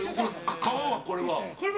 皮は、これは。